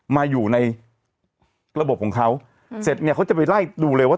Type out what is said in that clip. มาอยู่ในระบบของเขาเสร็จเนี่ยเขาจะไปไล่ดูเลยว่า